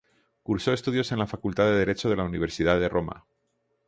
Cursó estudios en la facultad de Derecho de la Universidad de Roma.